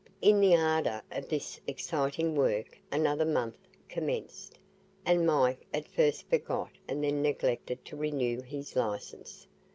In the ardour of this exciting work another month commenced, and Mike at first forgot and then neglected to renew his licence.